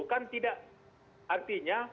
kan tidak artinya